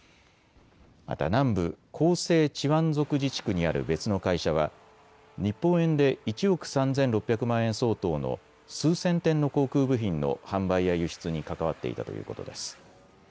また南部広西チワン族自治区にある別の会社は日本円で１億３６００万円相当の数千点の航空部品の販売や輸出に関わっていたということです。